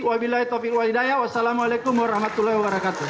wassalamualaikum warahmatullahi wabarakatuh